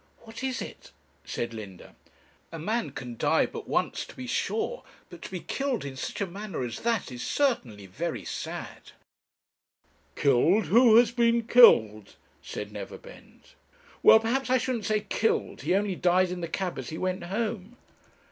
'What is it?' said Linda. 'A man can die but once, to be sure; but to be killed in such a manner as that, is certainly very sad.' 'Killed! who has been killed?' said Neverbend. 'Well, perhaps I shouldn't say killed. He only died in the cab as he went home.'